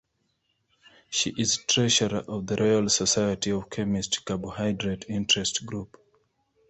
She is treasurer of the Royal Society of Chemistry Carbohydrate Interest Group.